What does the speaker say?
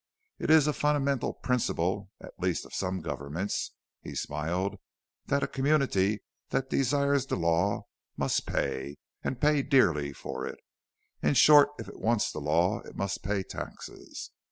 It is a fundamental principle at least of some governments," he smiled "that a community that desires the law must pay, and pay dearly for it. In short, if it wants the law it must pay taxes.